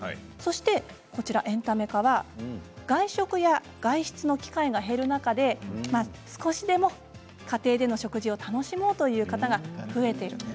そしてエンタメ化は外食や外出の機会が減る中で少しでも家庭での食事を楽しもうという方が増えている。